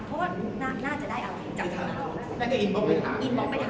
เพราะว่าน่าจะได้อะไรจากนั้น